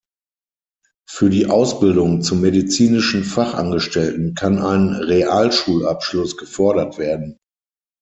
Für die Ausbildung zum Medizinischen Fachangestellten kann ein Realschulabschluss gefordert werden.